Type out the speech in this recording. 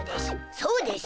そうでしゅ。